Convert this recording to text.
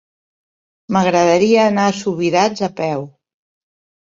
M'agradaria anar a Subirats a peu.